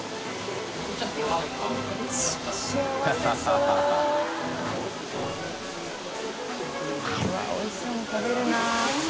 うわっおいしそうに食べるなぁ。